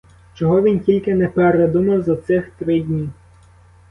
Чого він тільки не передумав за цих три дні!